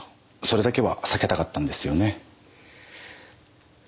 それだけは避けたかったんですよね？